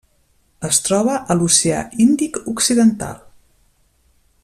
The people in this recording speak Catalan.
Es troba a l'oceà Índic occidental: